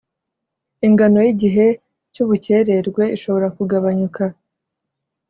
ingano y igihe cy ubukererwe ishobora kugabanyuka